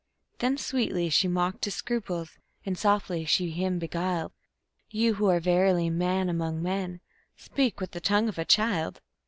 Then sweetly she mocked his scruples, and softly she him beguiled: "You, who are verily man among men, speak with the tongue of a child.